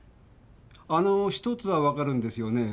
あのーひとつは分かるんですよね。